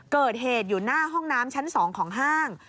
เกิดเหตุอยู่หน้าห้องน้ำชั้น๒ของห้าง